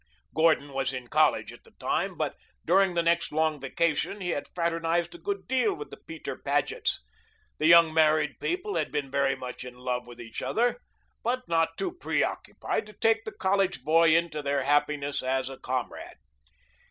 Gordon was in college at the time, but during the next long vacation he had fraternized a good deal with the Peter Pagets. The young married people had been very much in love with each other, but not too preoccupied to take the college boy into their happiness as a comrade.